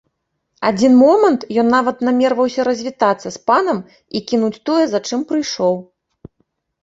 Адзін момант ён нават намерваўся развітацца з панам і кінуць тое, за чым прыйшоў.